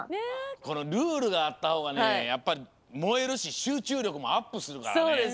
このルールがあったほうがやっぱりもえるししゅうちゅうりょくもアップするからね。